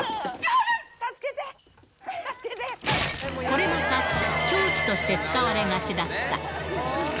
これまた凶器として使われがちだった。